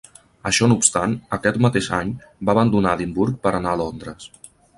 Això no obstant, aquest mateix any, va abandonar Edimburg per anar a Londres.